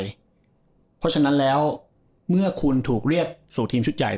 เพราะฉะนั้นแล้วเมื่อคุณถูกเรียกสู่ทีมชุดใหญ่